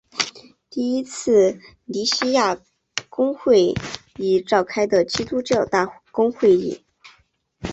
第一次尼西亚公会议召开的基督教大公会议。